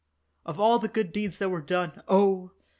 Of all the good deeds that were done, oh!